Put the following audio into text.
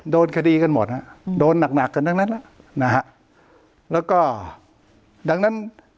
โดนคดีกันหมดฮะโดนหนักหนักกันทั้งนั้นนะฮะแล้วก็ดังนั้น